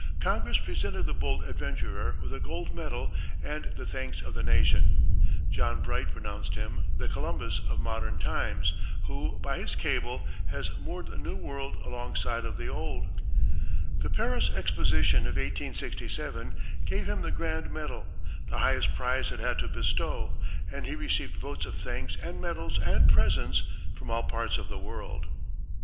Congress presented the bold adventurer with a gold medal and the thanks of the nation; John Bright pronounced him "the Columbus of modern times, who, by his cable, has moored the New World alongside of the Old"; the Paris exposition of 1867 gave him the grand medal, the highest prize it had to bestow; and he received votes of thanks and medals and presents from all parts of the world.